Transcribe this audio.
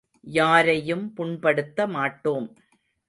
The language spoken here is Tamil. யாரையும் புண்படுத்த மாட்டோம்.